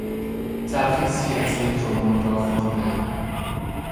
تلخیصی از یک رمان را خواندن